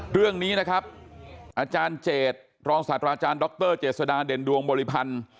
เรื่องนี้นะครับอาจารย์เจดรองศาสตราอาจารย์ดรเจษฎาเด่นดวงบริพันธ์